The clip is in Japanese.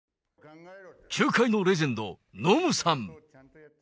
球界のレジェンド、ノムさん。